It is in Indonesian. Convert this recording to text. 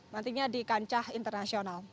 nantinya di kancah internasional